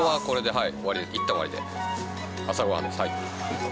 はい！